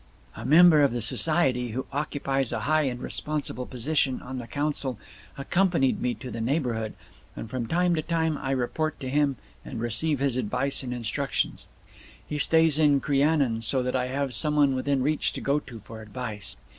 "A member of the society, who occupies a high and responsible position on the council, accompanied me to the neighbourhood, and from time to time I report to him and receive his advice and instructions. He stays in Crianan, so that I have some one within reach to go to for advice.